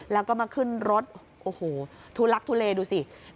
แล้วก็มาขึ้นรถโอ้โหทุลักทุเลดูสิ